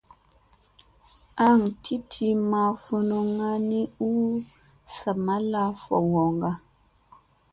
Aŋ ti ti ma funuŋŋa ni u zamalla vogoŋga.